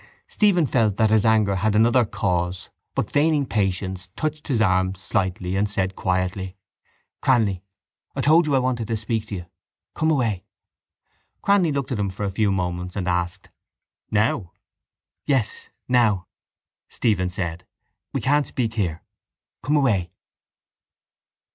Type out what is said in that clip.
Stephen felt that his anger had another cause but, feigning patience, touched his arm slightly and said quietly: —Cranly, I told you I wanted to speak to you. Come away. Cranly looked at him for a few moments and asked: —Now? —Yes, now, Stephen said. We can't speak here. Come away.